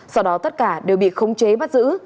sau đó tất cả đều bị khống chế bắt giữ